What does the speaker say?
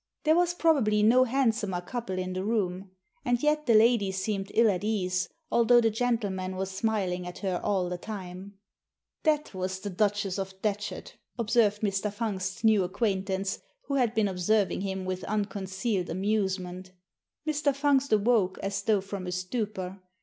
There was probably no handsomer couple in the room. And yet the lady seemed ill at ease, although the gentleman was smiling at her all the time. Digitized by VjOOQIC 212 THE SEEN AND THE UNSEEN " That was the Duchess of Datchet," observed Mr. Fungst's new acquaintance, who had been observing him with unconcealed amusement Mr. Fungst awoke as though from a stupor.